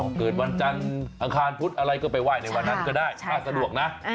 เกิดวันจันทร์อังคารพุธอะไรก็ไปไห้ในวันนั้นก็ได้ถ้าสะดวกนะ